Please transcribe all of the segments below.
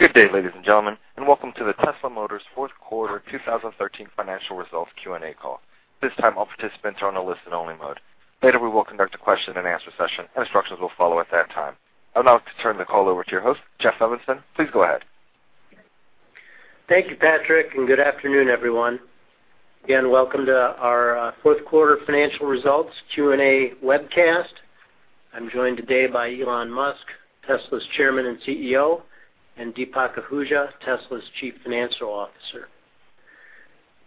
Good day, ladies and gentlemen, and welcome to the Tesla Motors Fourth Quarter 2013 Financial Results Q&A Call. This time, all participants are on a listen-only mode. Later, we will conduct a question-and-answer session, and instructions will follow at that time. I would now like to turn the call over to your host, Jeff Evanson. Please go ahead. Thank you, Patrick, and good afternoon, everyone. Again, welcome to our fourth quarter financial results Q&A webcast. I'm joined today by Elon Musk, Tesla's Chairman and CEO, and Deepak Ahuja, Tesla's Chief Financial Officer.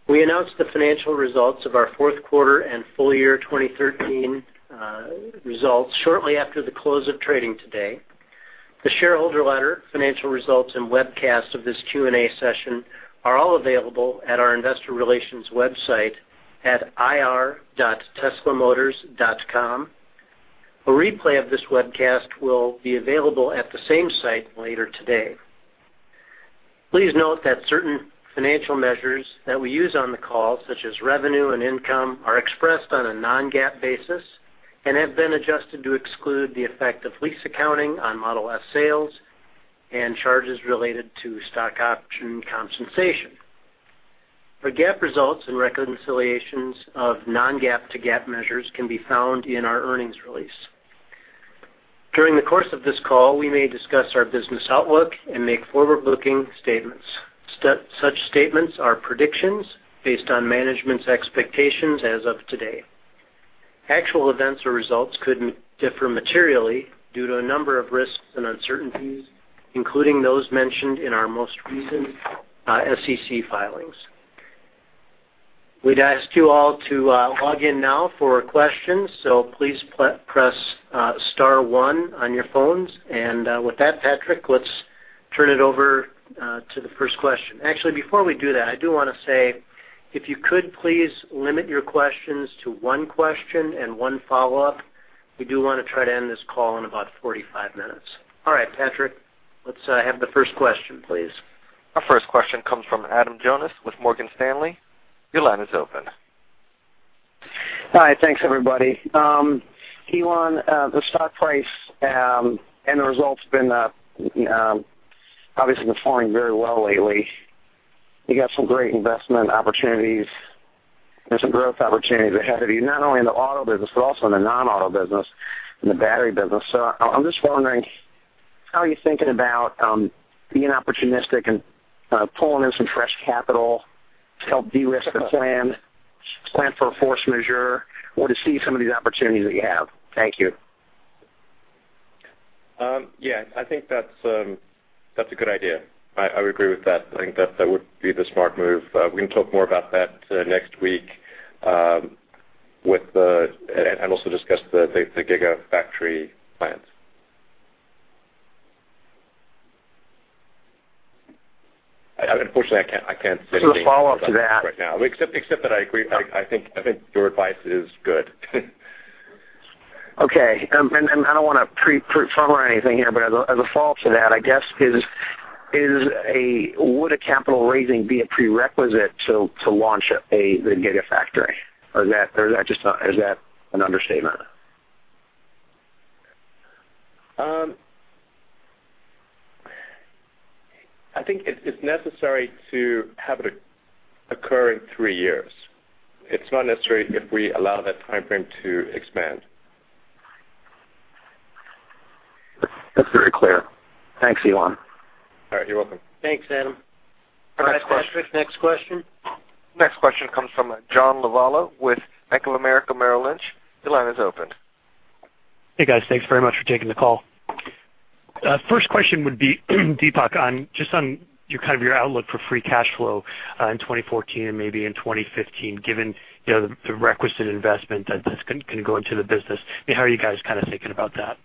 We announced the financial results of our fourth quarter and full year 2013 results shortly after the close of trading today. The shareholder letter, financial results, and webcast of this Q&A session are all available at our investor relations website at ir.tesla.com. A replay of this webcast will be available at the same site later today. Please note that certain financial measures that we use on the call, such as revenue and income, are expressed on a non-GAAP basis and have been adjusted to exclude the effect of lease accounting on Model S sales and charges related to stock option compensation. The GAAP results and reconciliations of non-GAAP to GAAP measures can be found in our earnings release. During the course of this call, we may discuss our business outlook and make forward-looking statements. Such statements are predictions based on management's expectations as of today. Actual events or results could differ materially due to a number of risks and uncertainties, including those mentioned in our most recent SEC filings. We'd ask you all to log in now for questions. Please press star one on your phones. With that, Patrick, let's turn it over to the first question. Actually, before we do that, I do want to say, if you could please limit your questions to one question and one follow-up. We do want to try to end this call in about 45 minutes. All right, Patrick, let's have the first question, please. Our first question comes from Adam Jonas with Morgan Stanley. Your line is open. Hi. Thanks, everybody. Elon, the stock price and the results been obviously been falling very well lately. You got some great investment opportunities and some growth opportunities ahead of you, not only in the auto business but also in the non-auto business and the battery business. I'm just wondering, how are you thinking about being opportunistic and pulling in some fresh capital to help de-risk the plan for a force majeure or to seize some of these opportunities that you have? Thank you. Yeah, I think that's a good idea. I would agree with that. I think that would be the smart move. We can talk more about that next week and also discuss the Gigafactory plans. Unfortunately, I can't say anything- The follow-up to that- -right now, except that I agree. I think your advice is good. Okay. I don't want to pre-formulate anything here, but as a follow-up to that, I guess, would a capital raising be a prerequisite to launch the Gigafactory? Is that an understatement? I think it's necessary to have it occur in three years. It's not necessary if we allow that timeframe to expand. That's very clear. Thanks, Elon. All right. You're welcome. Thanks, Adam. Next question. All right, Patrick. Next question. Next question comes from John Lovallo with Bank of America Merrill Lynch. Your line is open. Hey, guys. Thanks very much for taking the call. First question would be, Deepak, just on your outlook for free cash flow in 2014 and maybe in 2015, given the requisite investment that can go into the business. How are you guys thinking about that?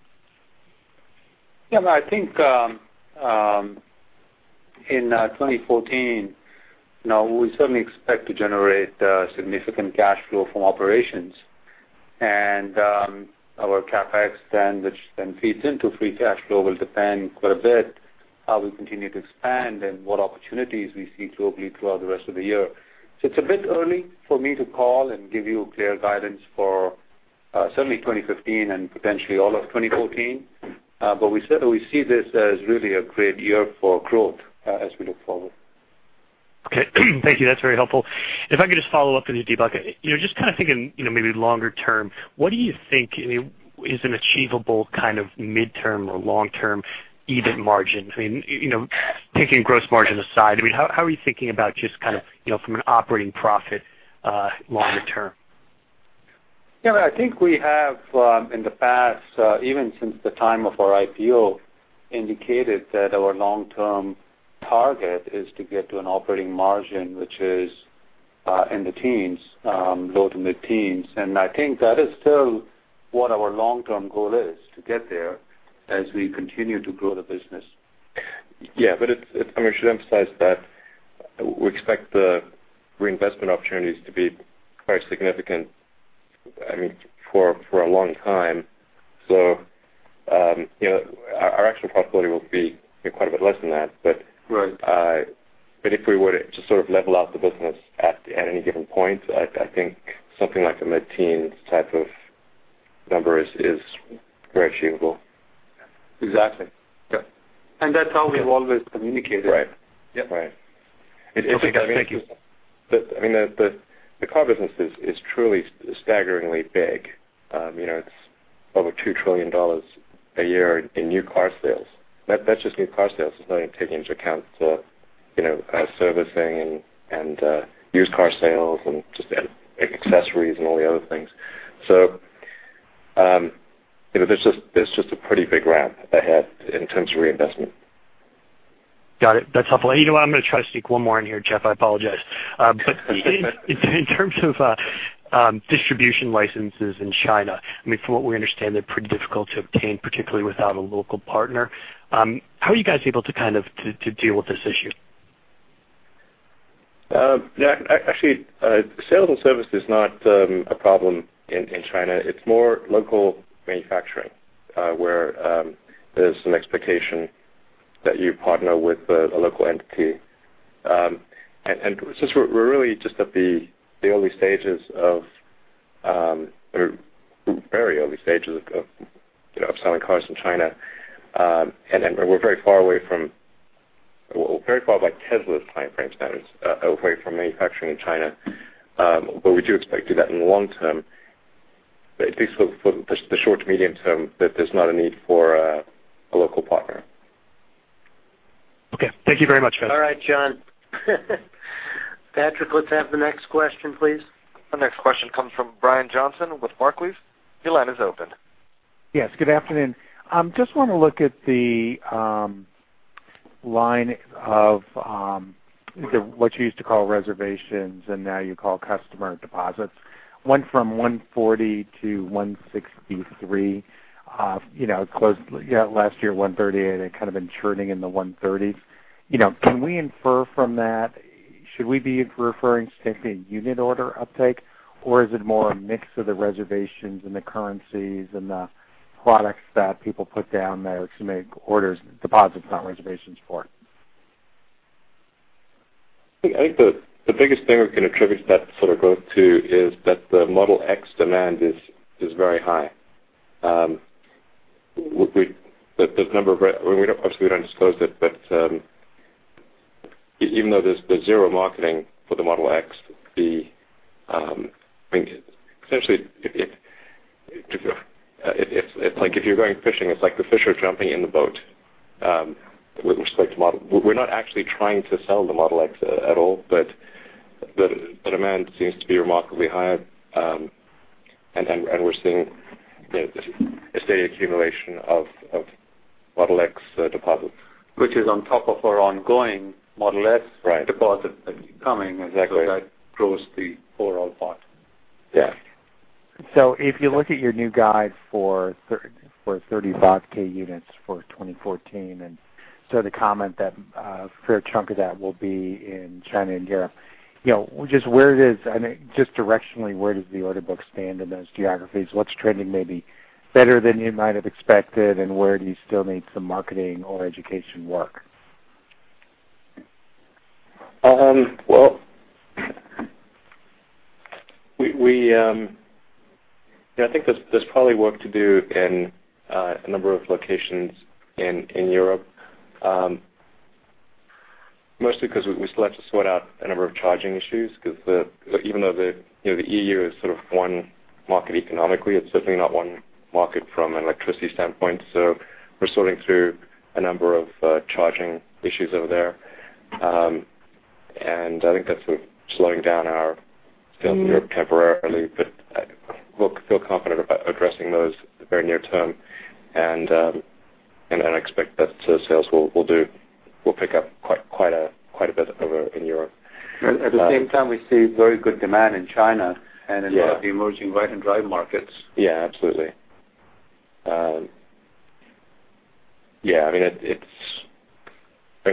Yeah, I think in 2014, we certainly expect to generate significant cash flow from operations. Our CapEx then, which then feeds into free cash flow, will depend quite a bit how we continue to expand and what opportunities we see globally throughout the rest of the year. It's a bit early for me to call and give you clear guidance for certainly 2015 and potentially all of 2014. We certainly see this as really a great year for growth as we look forward. Okay. Thank you. That's very helpful. If I could just follow up with you, Deepak. Just thinking maybe longer term, what do you think is an achievable kind of midterm or long-term EBIT margin? Taking gross margin aside, how are you thinking about just from an operating profit longer term? Yeah, I think we have in the past, even since the time of our IPO, indicated that our long-term target is to get to an operating margin, which is in the teens, low to mid-teens. I think that is still what our long-term goal is, to get there as we continue to grow the business. Yeah. We should emphasize that we expect the reinvestment opportunities to be quite significant for a long time. Our actual profitability will be quite a bit less than that. Right If we were to sort of level out the business at any given point, I think something like a mid-teens type of number is very achievable. Exactly. Yeah. That's how we've always communicated. Right. Yep. Right. Okay, guys. Thank you. The car business is truly staggeringly big. It's over $2 trillion a year in new car sales. That's just new car sales. It's not even taking into account servicing and used car sales and just accessories and all the other things. There's just a pretty big ramp ahead in terms of reinvestment. Got it. That's helpful. You know what? I'm going to try to sneak one more in here, Jeff. I apologize. In terms of distribution licenses in China, from what we understand, they're pretty difficult to obtain, particularly without a local partner. How are you guys able to deal with this issue? Actually, sales and service is not a problem in China. It's more local manufacturing, where there's an expectation that you partner with a local entity. Since we're really just at the early stages of, or very early stages of selling cars in China, and we're very far away from, by Tesla's timeframe standards, away from manufacturing in China, but we do expect to do that in the long term. At least for the short to medium term, there's not a need for a local partner. Okay. Thank you very much, guys. All right, John. Patrick, let's have the next question, please. The next question comes from Brian Johnson with Barclays. Your line is open. Yes, good afternoon. Just want to look at the line of what you used to call reservations, and now you call customer deposits. Went from 140 to 163. Closed last year at 138 and kind of been churning in the 130s. Can we infer from that, should we be inferring simply a unit order uptake? Or is it more a mix of the reservations and the currencies and the products that people put down there to make orders, deposits, not reservations for? I think the biggest thing we can attribute that sort of growth to is that the Model X demand is very high. Obviously, we don't disclose it, but even though there's zero marketing for the Model X, it's like if you're going fishing, it's like the fish are jumping in the boat with respect to Model. We're not actually trying to sell the Model X at all, but the demand seems to be remarkably high, and we're seeing a steady accumulation of Model X deposits. Which is on top of our ongoing Model S- Right deposits that keep coming. Exactly. That grows the overall pot. Yeah. If you look at your new guide for 35,000 units for 2014, and so the comment that a fair chunk of that will be in China and Europe. Just directionally, where does the order book stand in those geographies? What's trending maybe better than you might have expected, and where do you still need some marketing or education work? I think there's probably work to do in a number of locations in Europe. Mostly because we still have to sort out a number of charging issues, because even though the EU is sort of one market economically, it's certainly not one market from an electricity standpoint. We're sorting through a number of charging issues over there. I think that's slowing down our sales in Europe temporarily, but we feel confident about addressing those very near-term, and I expect that sales will pick up quite a bit over in Europe. At the same time, we see very good demand in China. Yeah In a lot of the emerging right-hand drive markets. Yeah, absolutely.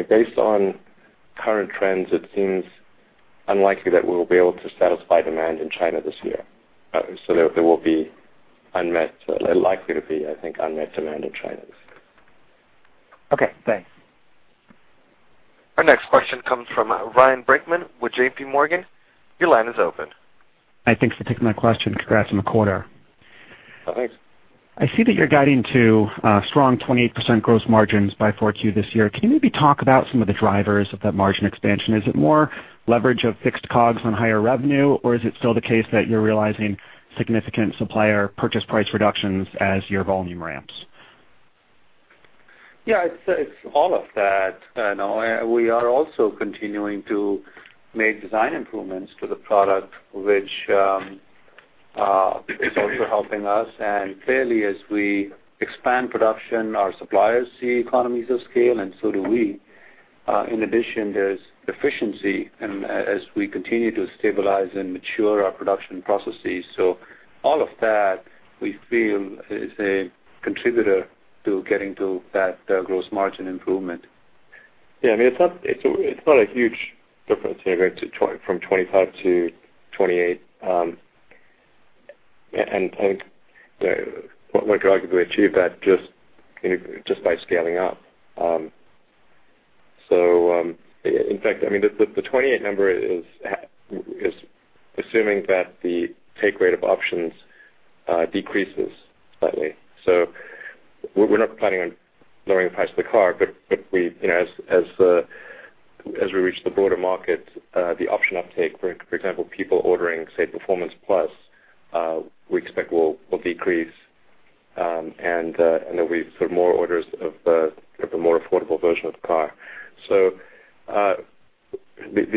Based on current trends, it seems unlikely that we will be able to satisfy demand in China this year. There will be unmet, likely to be, I think, unmet demand in China. Okay, thanks. Our next question comes from Ryan Brinkman with JPMorgan. Your line is open. Hi, thanks for taking my question. Congrats on the quarter. Oh, thanks. I see that you're guiding to strong 28% gross margins by 4Q this year. Can you maybe talk about some of the drivers of that margin expansion? Is it more leverage of fixed COGS on higher revenue, or is it still the case that you're realizing significant supplier purchase price reductions as your volume ramps? Yeah, it's all of that. We are also continuing to make design improvements to the product, which is also helping us. Clearly, as we expand production, our suppliers see economies of scale, and so do we. In addition, there's efficiency and as we continue to stabilize and mature our production processes. All of that, we feel, is a contributor to getting to that gross margin improvement. Yeah, it's not a huge difference going from 25% to 28%. I think one could arguably achieve that just by scaling up. In fact, the 28% number is assuming that the take rate of options decreases slightly. We're not planning on lowering the price of the car. As we reach the broader market, the option uptake, for example, people ordering, say, Performance Plus, we expect will decrease and there'll be more orders of the more affordable version of the car. The 28%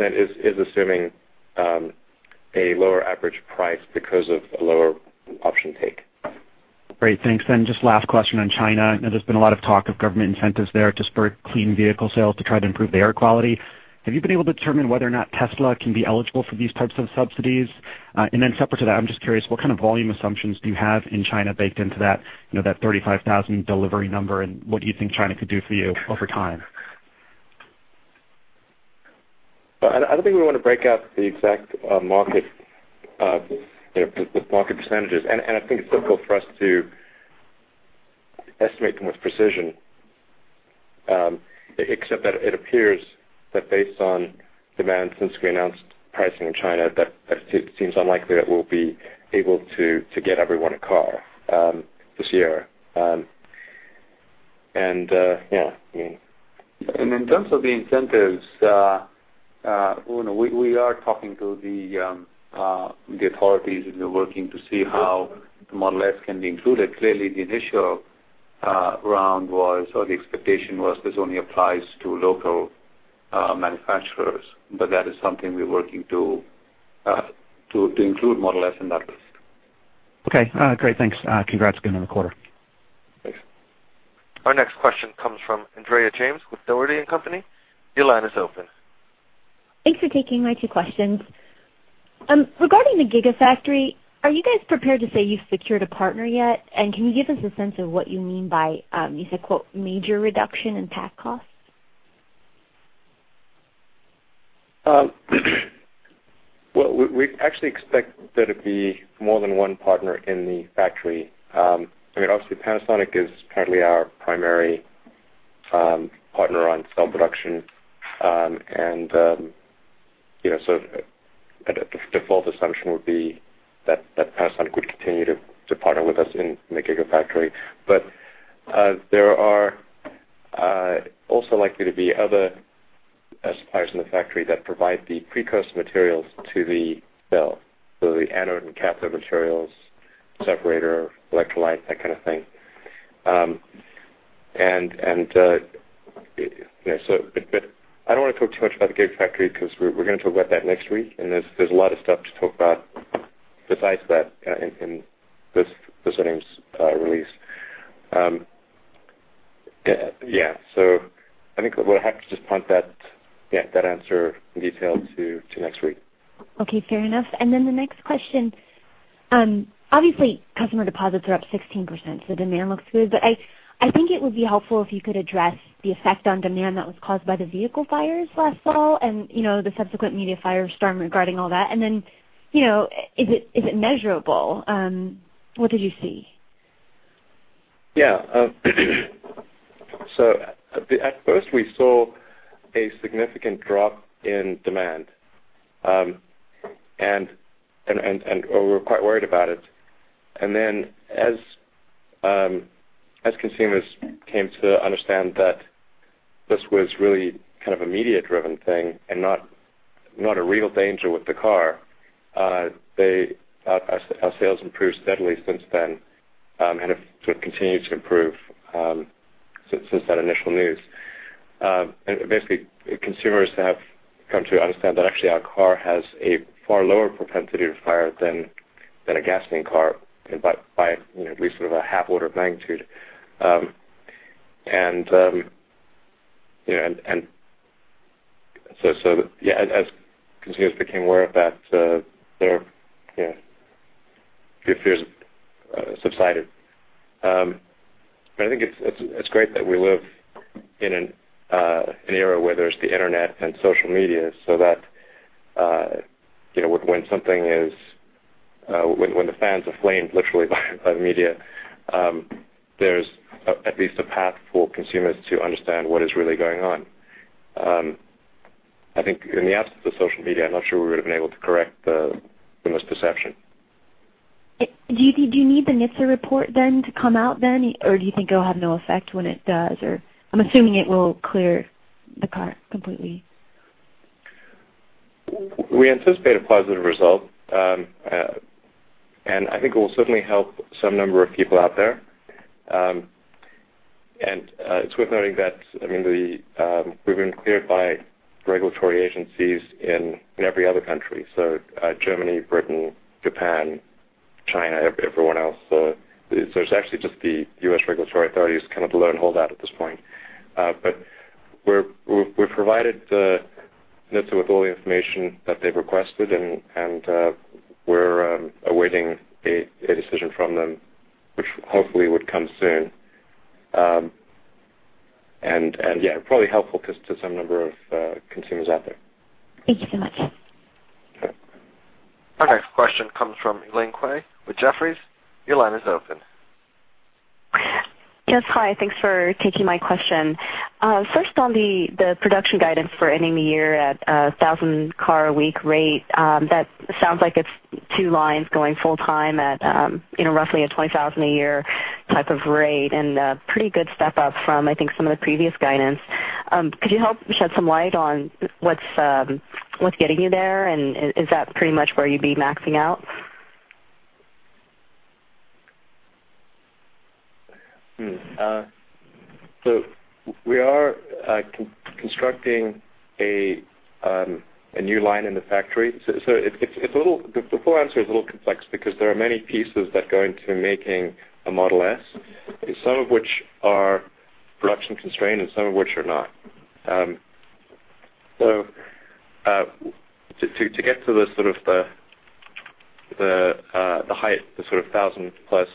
is assuming a lower average price because of a lower option take. Great. Thanks. Just last question on China. There's been a lot of talk of government incentives there to spur clean vehicle sales to try to improve the air quality. Have you been able to determine whether or not Tesla can be eligible for these types of subsidies? Separate to that, I'm just curious, what kind of volume assumptions do you have in China baked into that 35,000 delivery number, and what do you think China could do for you over time? I don't think we want to break out the exact market percentages. I think it's difficult for us to estimate them with precision, except that it appears that based on demand since we announced pricing in China, that it seems unlikely that we'll be able to get everyone a car this year. Yeah. In terms of the incentives, we are talking to the authorities and we're working to see how the Model S can be included. Clearly, the initial round was, or the expectation was this only applies to local manufacturers. That is something we're working to include Model S in that list. Okay, great. Thanks. Congrats again on the quarter. Thanks. Our next question comes from Andrea James with Dougherty & Company. Your line is open. Thanks for taking my two questions. Regarding the Gigafactory, are you guys prepared to say you've secured a partner yet? Can you give us a sense of what you mean by, you said, quote, "major reduction in pack costs? Well, we actually expect there to be more than one partner in the factory. Obviously, Panasonic is currently our primary partner on cell production. Default assumption would be that Panasonic would continue to partner with us in the Gigafactory. There are also likely to be other suppliers in the factory that provide the precursor materials to the cell. The anode and cathode materials, separator, electrolyte, that kind of thing. I don't want to talk too much about the Gigafactory because we're going to talk about that next week, and there's a lot of stuff to talk about besides that in this earnings release. Yeah. I think we'll have to just punt that answer in detail to next week. Okay. Fair enough. The next question, obviously customer deposits are up 16%, so demand looks good, but I think it would be helpful if you could address the effect on demand that was caused by the vehicle fires last fall and the subsequent media firestorm regarding all that. Is it measurable? What did you see? Yeah. At first, we saw a significant drop in demand, and we were quite worried about it. As consumers came to understand that this was really kind of a media-driven thing and not a real danger with the car, our sales improved steadily since then. It continued to improve since that initial news. Basically, consumers have come to understand that actually our car has a far lower propensity to fire than a gasoline car, and by at least a half order of magnitude. As consumers became aware of that, their fears subsided. I think it's great that we live in an era where there's the internet and social media so that when the fans are flamed literally by the media, there's at least a path for consumers to understand what is really going on. I think in the absence of social media, I'm not sure we would've been able to correct the misperception. Do you need the NHTSA report then to come out then? Do you think it'll have no effect when it does? I'm assuming it will clear the car completely. We anticipate a positive result. I think it will certainly help some number of people out there. It's worth noting that we've been cleared by regulatory agencies in every other country, so Germany, Britain, Japan, China, everyone else. It's actually just the U.S. regulatory authority who's kind of the lone holdout at this point. We've provided NHTSA with all the information that they've requested, and we're awaiting a decision from them, which hopefully would come soon. Yeah, probably helpful to some number of consumers out there. Thank you so much. Okay. Our next question comes from Elaine Kwei with Jefferies. Your line is open. Yes. Hi. Thanks for taking my question. First, on the production guidance for ending the year at 1,000 car a week rate, that sounds like it's two lines going full time at roughly a 20,000 a year type of rate and pretty good step up from, I think, some of the previous guidance. Could you help shed some light on what's getting you there? Is that pretty much where you'd be maxing out? We are constructing a new line in the factory. The full answer is a little complex because there are many pieces that go into making a Model S, some of which are production constrained and some of which are not. To get to the height, the 1,000-plus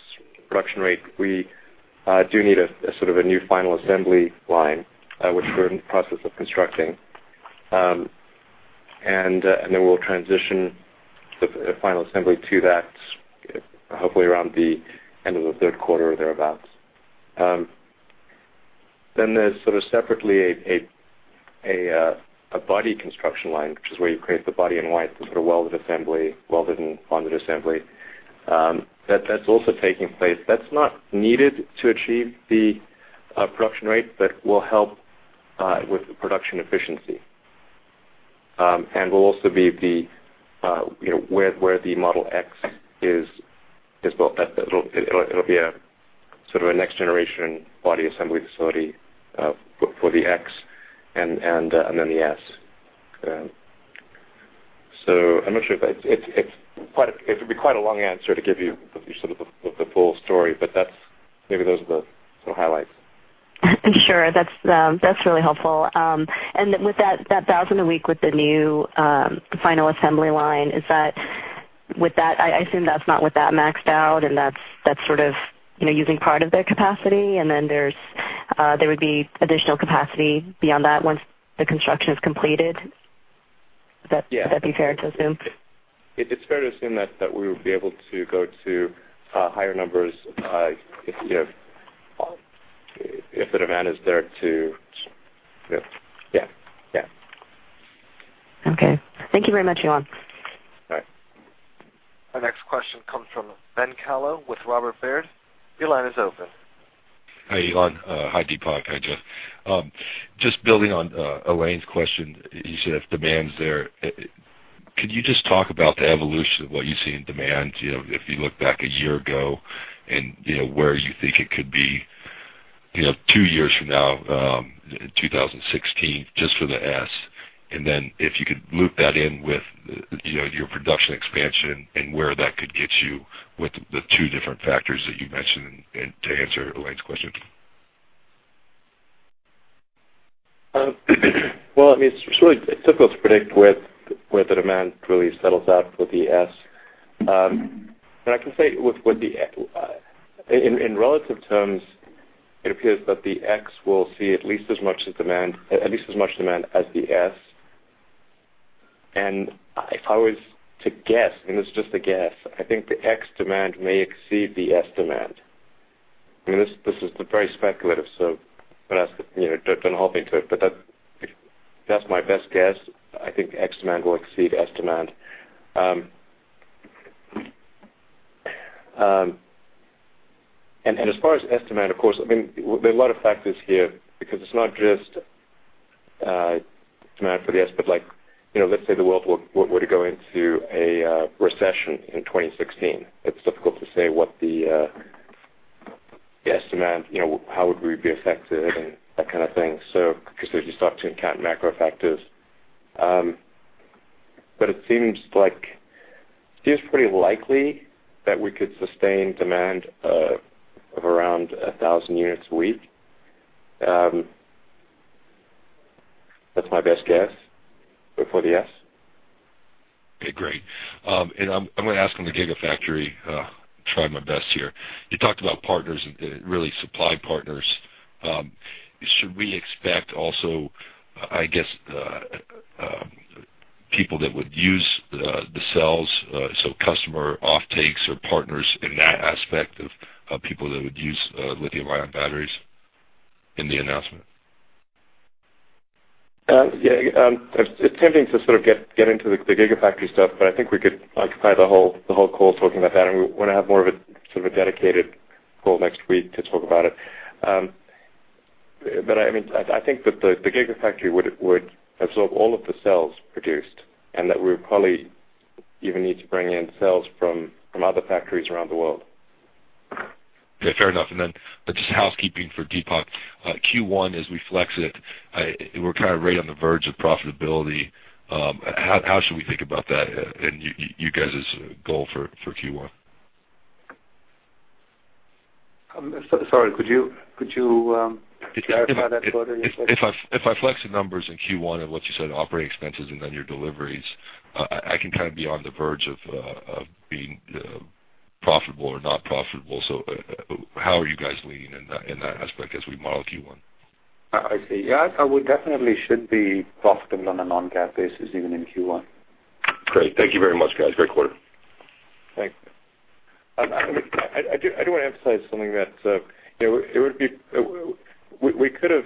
production rate, we do need a new final assembly line, which we're in the process of constructing. Then we'll transition the final assembly to that, hopefully around the end of the third quarter or thereabout. There's separately a body construction line, which is where you create the body and welded assembly, welded and bonded assembly. That's also taking place. That's not needed to achieve the production rate, but will help with the production efficiency. Will also be where the Model X is built. It'll be a next-generation body assembly facility for the X and then the S. I'm not sure if it's quite a long answer to give you the full story, but maybe those are the highlights. Sure. That's really helpful. With that 1,000 a week with the new final assembly line, I assume that's not with that maxed out and that's using part of their capacity and then there would be additional capacity beyond that once the construction is completed. Yeah. Would that be fair to assume? It's fair to assume that we would be able to go to higher numbers if the demand is there. Okay. Thank you very much, Elon. All right. Our next question comes from Ben Kallo with Robert Baird. Your line is open. Hi, Elon. Hi, Deepak. Hi, Jeff. Just building on Elaine's question, you said if demand's there. Could you just talk about the evolution of what you see in demand? If you look back a year ago and where you think it could be two years from now, 2016, just for the S. Then if you could loop that in with your production expansion and where that could get you with the two different factors that you mentioned and to answer Elaine's question. Well, it's really difficult to predict where the demand really settles out for the S. I can say in relative terms, it appears that the X will see at least as much demand as the S. If I was to guess, and this is just a guess, I think the X demand may exceed the S demand. This is very speculative, so don't hold me to it, but that's my best guess. I think X demand will exceed S demand. As far as S demand, of course, there are a lot of factors here because it's not just demand for the S, but let's say the world were to go into a recession in 2016. It's difficult to say what the S demand, how would we be affected and that kind of thing. Because you start to encounter macro factors. It seems pretty likely that we could sustain demand of around 1,000 units a week. That's my best guess for the Model S. Okay, great. I'm going to ask on the Gigafactory, try my best here. You talked about partners and really supply partners. Should we expect also, I guess, people that would use the cells, so customer offtakes or partners in that aspect of people that would use lithium-ion batteries in the announcement? Yeah. It's tempting to get into the Gigafactory stuff, but I think we could occupy the whole call talking about that, and we want to have more of a dedicated call next week to talk about it. I think that the Gigafactory would absorb all of the cells produced and that we would probably even need to bring in cells from other factories around the world. Okay. Fair enough. Then just housekeeping for Deepak. Q1, as we flex it, we're kind of right on the verge of profitability. How should we think about that and you guys' goal for Q1? Sorry, could you clarify that further, you said? If I flex the numbers in Q1 and what you said, operating expenses and then your deliveries, I can kind of be on the verge of being profitable or not profitable. How are you guys leaning in that aspect as we model Q1? I see. Yeah, we definitely should be profitable on a non-GAAP basis even in Q1. Great. Thank you very much, guys. Great quarter. Thanks. I do want to emphasize something. We could have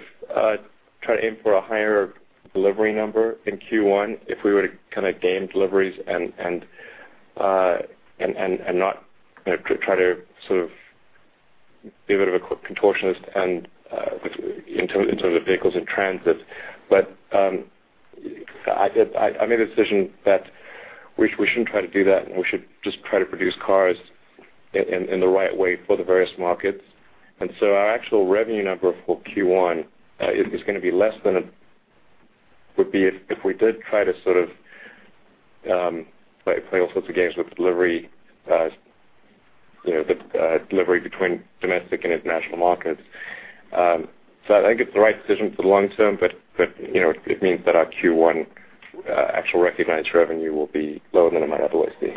tried to aim for a higher delivery number in Q1 if we were to gain deliveries and not try to be a bit of a contortionist in terms of vehicles in transit. I made the decision that we shouldn't try to do that, and we should just try to produce cars in the right way for the various markets. Our actual revenue number for Q1 is going to be less than it would be if we did try to play all sorts of games with delivery between domestic and international markets. I think it's the right decision for the long term, but it means that our Q1 actual recognized revenue will be lower than it might otherwise be.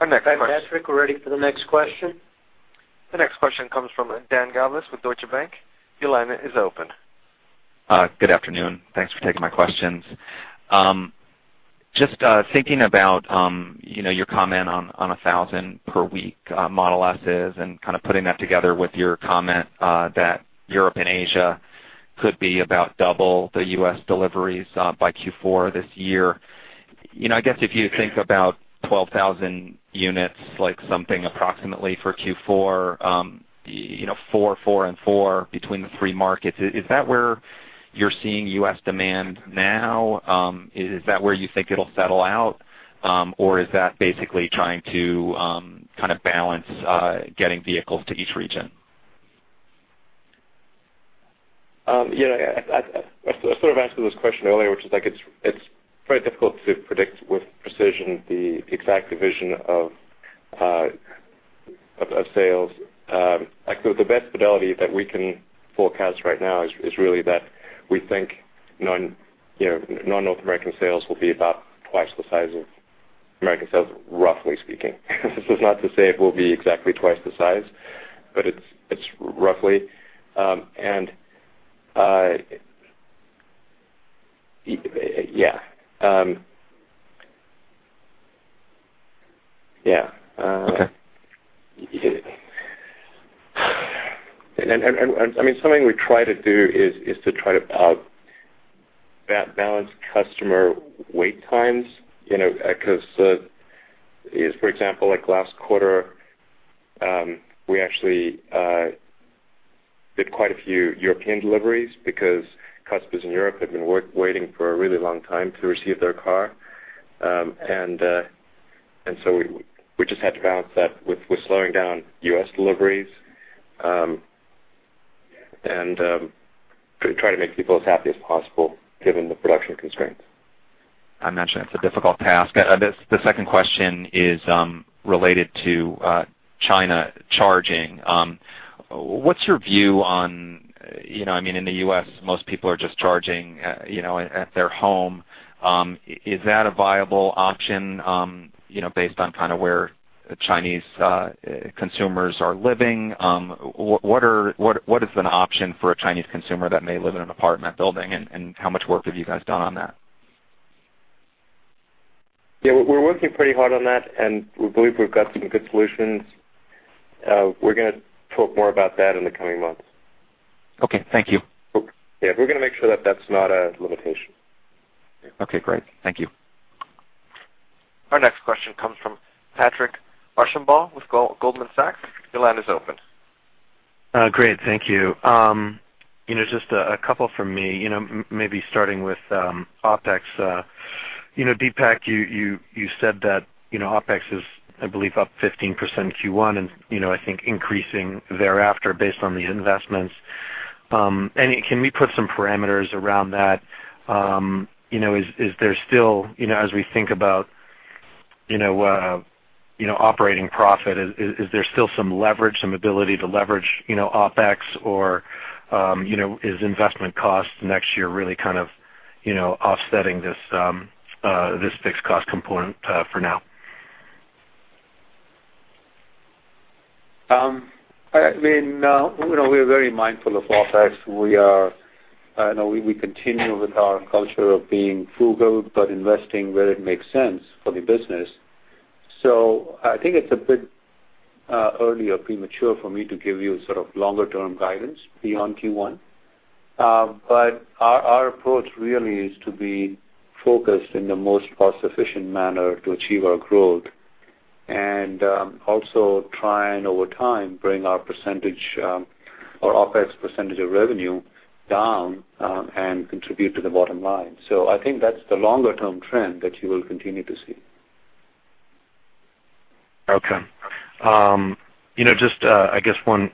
Our next question. Patrick, we're ready for the next question. The next question comes from Dan Galves with Deutsche Bank. Your line is open. Good afternoon. Thanks for taking my questions. Just thinking about your comment on 1,000 per week Model S's and putting that together with your comment that Europe and Asia could be about double the U.S. deliveries by Q4 this year. I guess if you think about 12,000 units, something approximately for Q4, four and four between the three markets, is that where you're seeing U.S. demand now? Is that where you think it'll settle out? Is that basically trying to balance getting vehicles to each region? Yeah. I sort of answered this question earlier, which is it's very difficult to predict with precision the exact division of sales. The best fidelity that we can forecast right now is really that we think non-North American sales will be about twice the size of American sales, roughly speaking. This is not to say it will be exactly twice the size, but it's roughly. Something we try to do is to try to balance customer wait times. For example, last quarter, we actually did quite a few European deliveries because customers in Europe had been waiting for a really long time to receive their car. We just had to balance that with slowing down U.S. deliveries and try to make people as happy as possible given the production constraints. I imagine that's a difficult task. The second question is related to China charging. What's your view on, in the U.S., most people are just charging at their home. Is that a viable option based on where Chinese consumers are living? What is an option for a Chinese consumer that may live in an apartment building, how much work have you guys done on that? Yeah, we're working pretty hard on that, we believe we've got some good solutions. We're going to talk more about that in the coming months. Okay, thank you. Yeah, we're going to make sure that that's not a limitation. Okay, great. Thank you. Our next question comes from Patrick Archambault with Goldman Sachs. Your line is open. Great. Thank you. Just a couple from me, maybe starting with OpEx. Deepak, you said that OpEx is, I believe, up 15% in Q1, and I think increasing thereafter based on the investments. Can we put some parameters around that? As we think about operating profit, is there still some leverage, some ability to leverage OpEx? Or is investment cost next year really offsetting this fixed cost component for now? We're very mindful of OpEx. We continue with our culture of being frugal but investing where it makes sense for the business. I think it's a bit early or premature for me to give you longer-term guidance beyond Q1. Our approach really is to be focused in the most cost-efficient manner to achieve our growth and also try and over time bring our OpEx percentage of revenue down and contribute to the bottom line. I think that's the longer-term trend that you will continue to see. Okay. Just, I guess one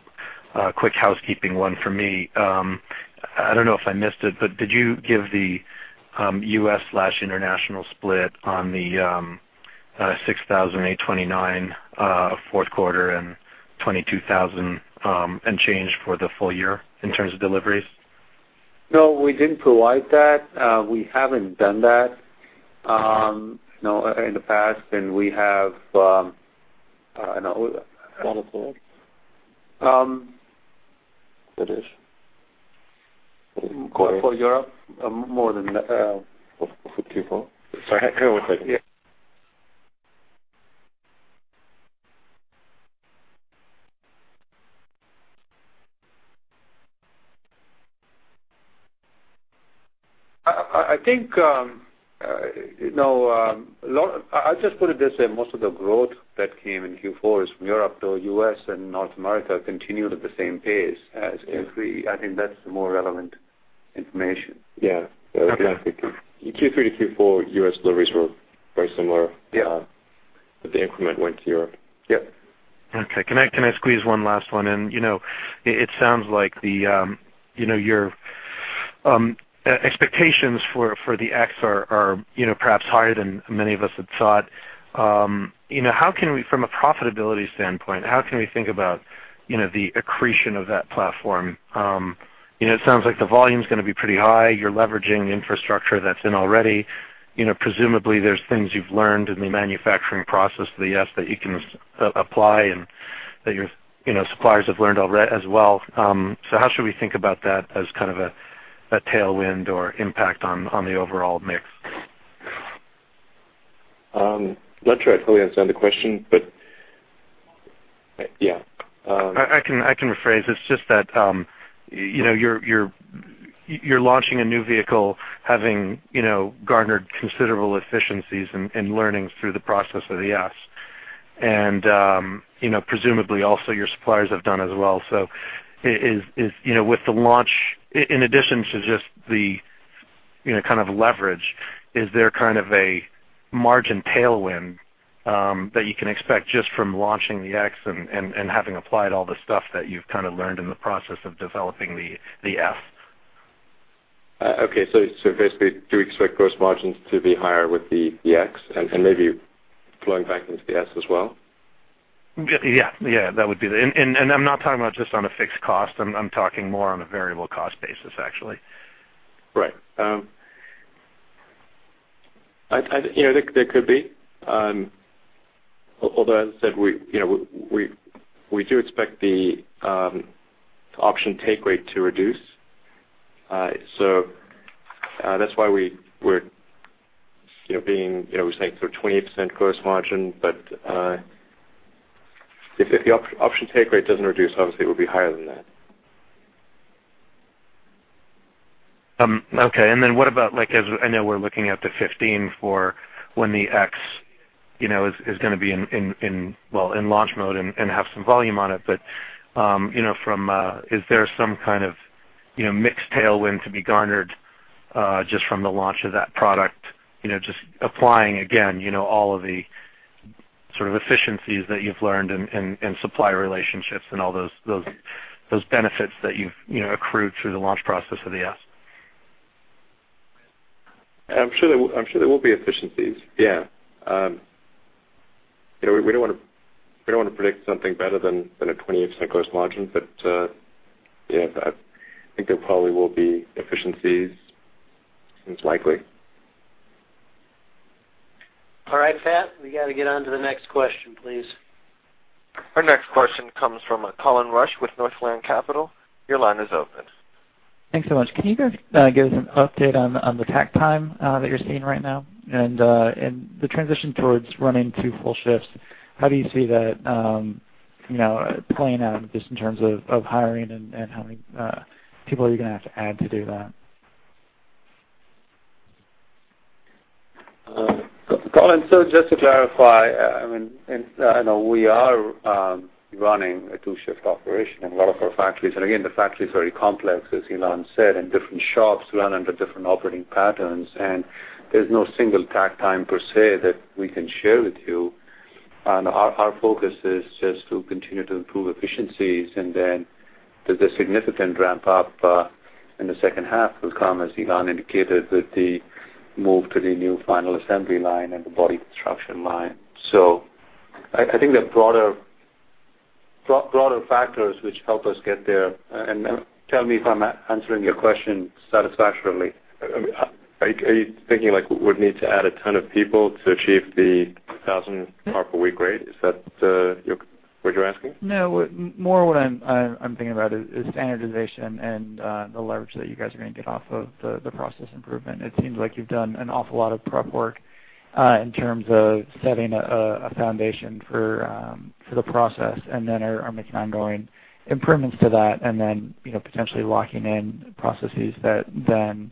quick housekeeping one for me. I don't know if I missed it, but did you give the U.S./international split on the 6,892 fourth quarter and 22,000 and change for the full year in terms of deliveries? No, we didn't provide that. We haven't done that in the past. For Q4? For Europe, more than. For Q4? Sorry, hang on one second. Yeah. I think, I'll just put it this way, most of the growth that came in Q4 is from Europe, though U.S. and North America continued at the same pace as Q3. I think that's the more relevant information. Yeah. Okay. Q3 to Q4, U.S. deliveries were very similar. Yeah. The increment went to Europe. Yep. Okay. Can I squeeze one last one in? It sounds like your expectations for the X are perhaps higher than many of us had thought. From a profitability standpoint, how can we think about the accretion of that platform? It sounds like the volume's going to be pretty high. You're leveraging infrastructure that's in already. Presumably, there's things you've learned in the manufacturing process of the S that you can apply and that your suppliers have learned already as well. How should we think about that as a tailwind or impact on the overall mix? I'm not sure I fully understand the question, yeah. I can rephrase. It's just that you're launching a new vehicle, having garnered considerable efficiencies and learnings through the process of the Model S. Presumably, also, your suppliers have done as well. With the launch, in addition to just the leverage, is there a margin tailwind that you can expect just from launching the Model X and having applied all the stuff that you've learned in the process of developing the Model S? Basically, do we expect gross margins to be higher with the Model X and maybe flowing back into the Model S as well? I'm not talking about just on a fixed cost. I'm talking more on a variable cost basis, actually. Right. There could be. Although, as I said, we do expect the option take rate to reduce. That's why we're saying sort of 28% gross margin. If the option take rate doesn't reduce, obviously it would be higher than that. Okay. Then what about, I know we're looking at the 2015 for when the Model X is going to be in launch mode and have some volume on it. Is there some kind of mixed tailwind to be garnered just from the launch of that product? Just applying, again, all of the sort of efficiencies that you've learned in supplier relationships and all those benefits that you've accrued through the launch process of the Model S. I'm sure there will be efficiencies, yeah. We don't want to predict something better than a 28% gross margin. Yeah, I think there probably will be efficiencies. Seems likely. All right, Pat, we got to get on to the next question, please. Our next question comes from Colin Rusch with Northland Capital. Your line is open. Thanks so much. Can you guys give us an update on the takt time that you're seeing right now and the transition towards running two full shifts? How do you see that playing out, just in terms of hiring and how many people are you going to have to add to do that? Colin, just to clarify, I know we are running a two-shift operation in a lot of our factories. Again, the factory is very complex, as Elon said, and different shops run under different operating patterns. There's no single takt time per se that we can share with you. Our focus is just to continue to improve efficiencies and then there's a significant ramp up in the second half will come, as Elon indicated, with the move to the new final assembly line and the body construction line. I think there are broader factors which help us get there. Tell me if I'm answering your question satisfactorily. Are you thinking we'd need to add a ton of people to achieve the 1,000 car per week rate? Is that what you're asking? No. More what I'm thinking about is standardization and the leverage that you guys are going to get off of the process improvement. It seems like you've done an awful lot of prep work in terms of setting a foundation for the process and then are making ongoing improvements to that and then potentially locking in processes that then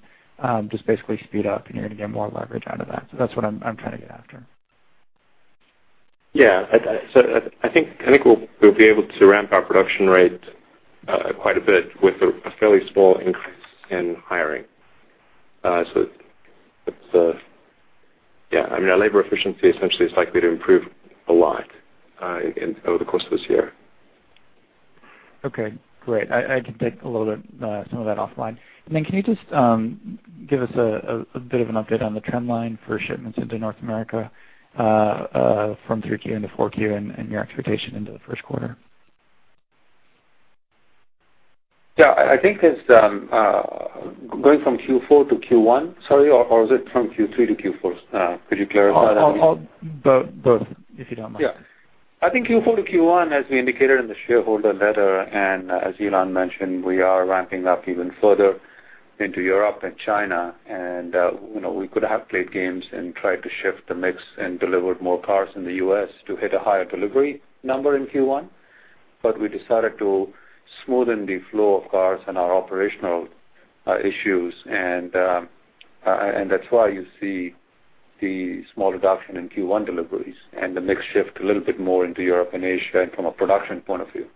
just basically speed up and you're going to get more leverage out of that. That's what I'm trying to get after. Yeah. I think we'll be able to ramp our production rate quite a bit with a fairly small increase in hiring. Yeah, our labor efficiency essentially is likely to improve a lot over the course of this year. Okay, great. I can take some of that offline. Can you just give us a bit of an update on the trend line for shipments into North America from 3Q into 4Q and your expectation into the first quarter? Yeah, I think it's going from Q4 to Q1, sorry, or was it from Q3 to Q4? Could you clarify that? Both, if you don't mind. Yeah. I think Q4 to Q1, as we indicated in the shareholder letter, and as Elon mentioned, we are ramping up even further into Europe and China. We could have played games and tried to shift the mix and delivered more cars in the U.S. to hit a higher delivery number in Q1, but we decided to smoothen the flow of cars and our operational issues. That's why you see the small reduction in Q1 deliveries and the mix shift a little bit more into Europe and Asia and from a production point of view.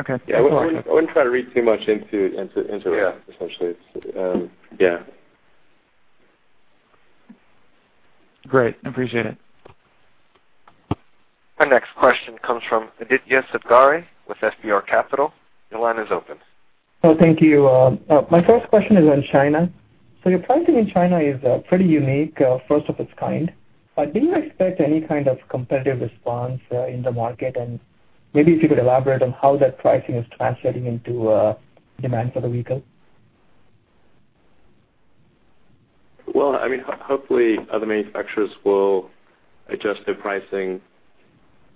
Okay. Yeah. I wouldn't try to read too much into it. Yeah essentially. Yeah. Great. Appreciate it. Our next question comes from Aditya Satghare with FBR Capital. Your line is open. Oh, thank you. My first question is on China. Your pricing in China is pretty unique, first of its kind. Do you expect any kind of competitive response in the market? Maybe if you could elaborate on how that pricing is translating into demand for the vehicle. Well, hopefully other manufacturers will adjust their pricing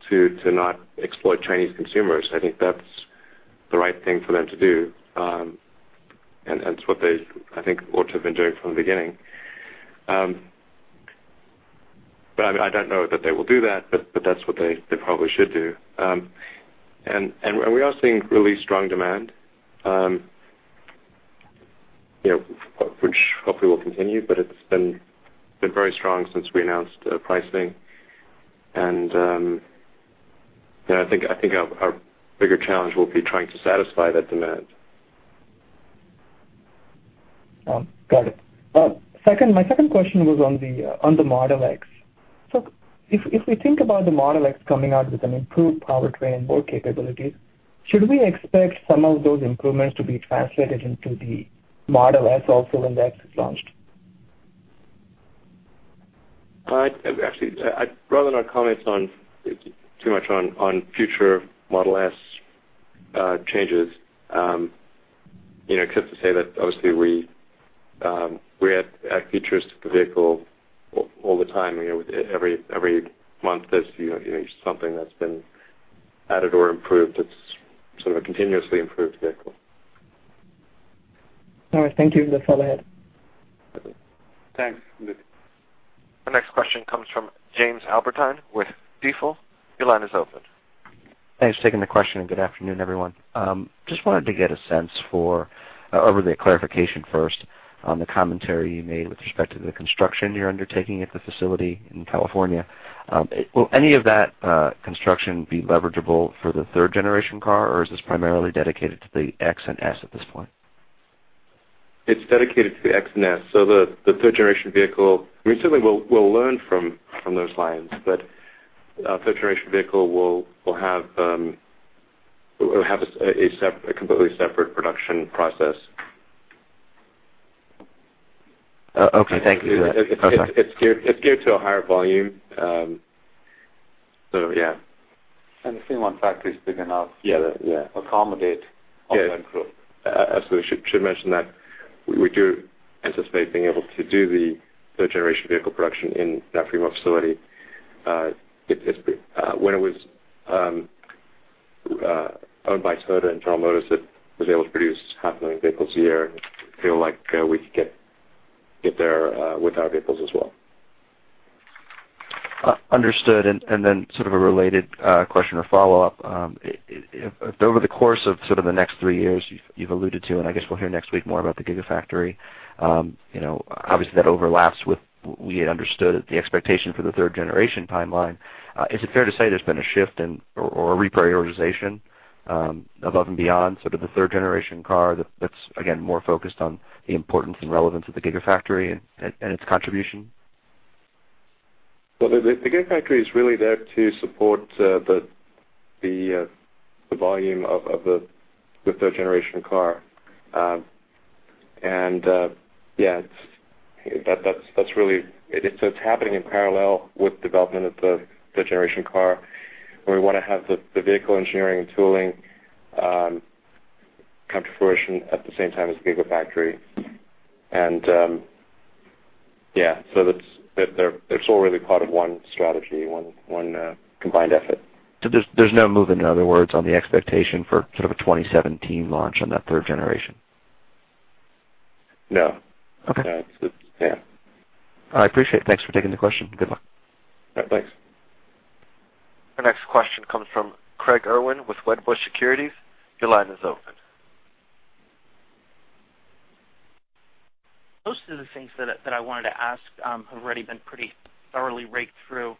to not exploit Chinese consumers. I think that's the right thing for them to do, and it's what they, I think, ought to have been doing from the beginning. I don't know that they will do that, but that's what they probably should do. We are seeing really strong demand, which hopefully will continue, but it's been very strong since we announced pricing. I think our bigger challenge will be trying to satisfy that demand. Got it. My second question was on the Model X. If we think about the Model X coming out with an improved powertrain and more capabilities, should we expect some of those improvements to be translated into the Model S also when the X is launched? Actually, I'd rather not comment too much on future Model S changes. Except to say that obviously we add features to the vehicle all the time. Every month there's something that's been added or improved. It's sort of a continuously improved vehicle. All right. Thank you. That's all I had. Thanks, Aditya. Our next question comes from James Albertine with Stifel. Your line is open. Thanks for taking the question. Good afternoon, everyone. Just wanted to get a sense for, or the clarification first on the commentary you made with respect to the construction you're undertaking at the facility in California. Will any of that construction be leverageable for the third-generation car, or is this primarily dedicated to the X and S at this point? It's dedicated to the Model X and Model S. The third-generation vehicle, we certainly will learn from those lines, but third-generation vehicle will have a completely separate production process. Okay. Thank you. It's geared to a higher volume. Yeah. The Fremont factory is big enough. Yeah. -to accommodate all that growth. Absolutely. Should mention that we do anticipate being able to do the third-generation vehicle production in that Fremont facility. When it was owned by Toyota and General Motors, it was able to produce half a million vehicles a year. We feel like we could get there with our vehicles as well. Understood. Sort of a related question or follow-up. If over the course of the next three years, you've alluded to. I guess we'll hear next week more about the Gigafactory. Obviously, that overlaps with what we had understood the expectation for the third-generation timeline. Is it fair to say there's been a shift or a reprioritization above and beyond the third-generation car that's, again, more focused on the importance and relevance of the Gigafactory and its contribution? Well, the Gigafactory is really there to support the volume of the third-generation car. It's happening in parallel with development of the third-generation car, where we want to have the vehicle engineering and tooling come to fruition at the same time as the Gigafactory. It's all really part of one strategy, one combined effort. There's no move, in other words, on the expectation for a 2017 launch on that third generation? No. Okay. Yeah, it's yeah. All right. Appreciate it. Thanks for taking the question. Good luck. Yeah, thanks. Our next question comes from Craig Irwin with Wedbush Securities. Your line is open. Most of the things that I wanted to ask have already been pretty thoroughly raked through.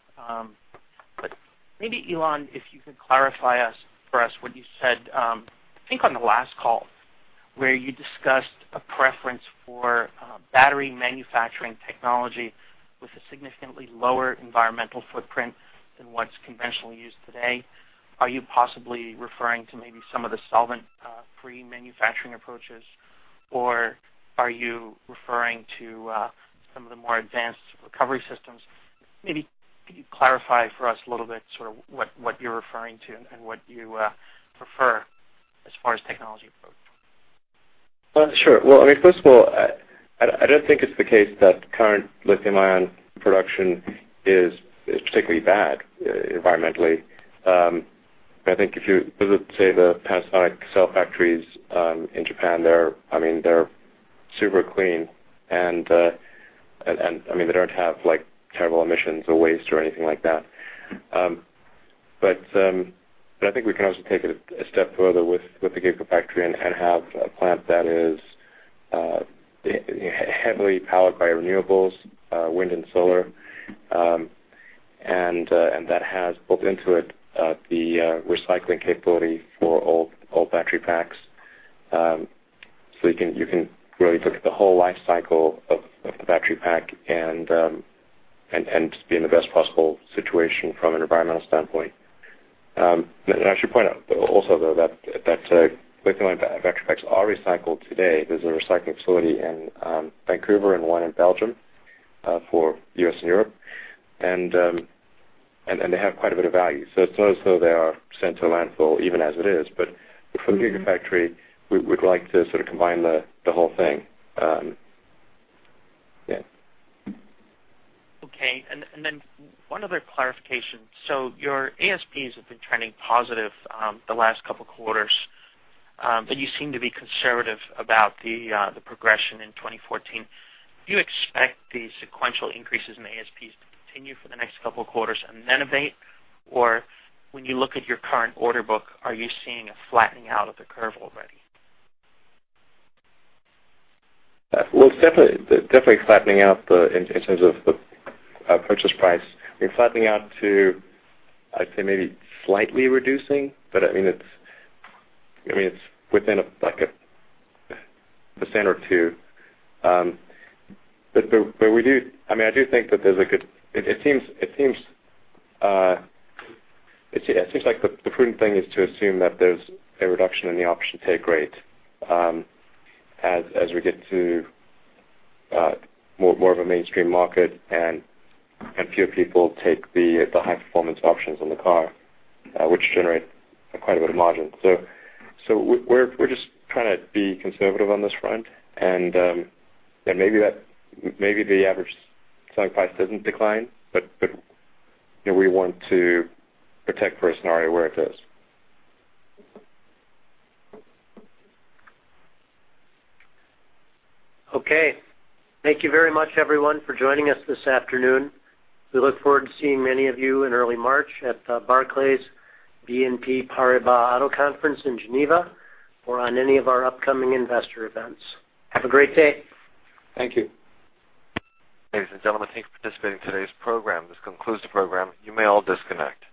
Maybe, Elon, if you could clarify for us what you said, I think on the last call, where you discussed a preference for battery manufacturing technology with a significantly lower environmental footprint than what's conventionally used today. Are you possibly referring to maybe some of the solvent pre-manufacturing approaches, or are you referring to some of the more advanced recovery systems? Could you clarify for us a little bit, what you're referring to and what you prefer as far as technology approach? Sure. First of all, I don't think it's the case that current lithium-ion production is particularly bad environmentally. I think if you visit, say, the Panasonic cell factories in Japan, they're super clean and they don't have terrible emissions or waste or anything like that. I think we can also take it a step further with the Gigafactory and have a plant that is heavily powered by renewables, wind and solar, and that has built into it the recycling capability for old battery packs. You can really look at the whole life cycle of the battery pack and be in the best possible situation from an environmental standpoint. I should point out also, though, that lithium-ion battery packs are recycled today. There's a recycling facility in Vancouver and one in Belgium for U.S. and Europe, and they have quite a bit of value. It's not as though they are sent to a landfill even as it is. For the Gigafactory, we would like to sort of combine the whole thing. Yeah. Okay, one other clarification. Your ASPs have been trending positive the last couple of quarters, but you seem to be conservative about the progression in 2014. Do you expect the sequential increases in ASPs to continue for the next couple of quarters and then abate, or when you look at your current order book, are you seeing a flattening out of the curve already? Well, it's definitely flattening out in terms of the purchase price. It's flattening out to, I'd say, maybe slightly reducing, but it's within a percent or two. I do think that it seems like the prudent thing is to assume that there's a reduction in the option take rate as we get to more of a mainstream market and fewer people take the high-performance options on the car, which generate quite a bit of margin. We're just trying to be conservative on this front, and maybe the average selling price doesn't decline, but we want to protect for a scenario where it does. Okay. Thank you very much, everyone, for joining us this afternoon. We look forward to seeing many of you in early March at the Barclays BNP Paribas Auto Conference in Geneva or at any of our upcoming investor events. Have a great day. Thank you. Ladies and gentlemen, thanks for participating in today's program. This concludes the program. You may all disconnect.